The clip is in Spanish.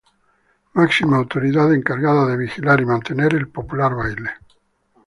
Máxima autoridad encargada de vigilar y mantener el popular baile.